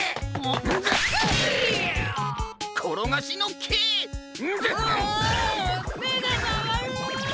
うわめがまわる。